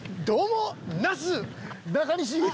どうも。